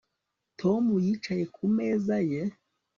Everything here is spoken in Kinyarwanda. Tom yicaye ku meza ye